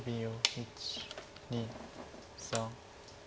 １２３。